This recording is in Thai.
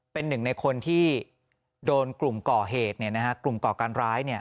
เป็นหนึ่งในคนที่โดนกลุ่มก่อเหตุกลุ่มก่อการร้าย